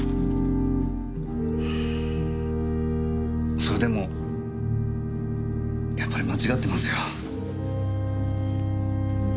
それでもやっぱり間違ってますよ。